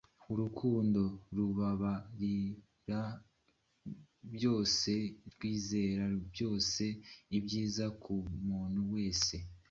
Urukundo) rubabarira byose, rwizera byose (ibyiza ku muntu wese).